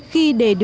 khi đề được đề thi